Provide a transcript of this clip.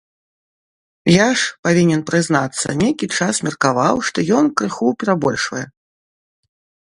Я ж, павінен прызнацца, нейкі час меркаваў, што ён крыху перабольшвае.